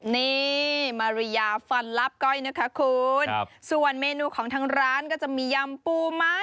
นี่มาริยาฟันลาบก้อยนะคะคุณส่วนเมนูของทางร้านก็จะมียำปูม้า